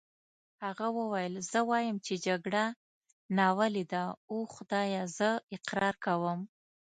هغه وویل: زه وایم چې جګړه ناولې ده، اوه خدایه زه اقرار کوم.